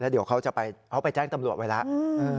แล้วเดี๋ยวเขาจะไปไปแจ้งตำรวจไว้แล้ว